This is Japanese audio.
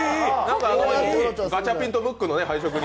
ガチャピンとムックの配色に。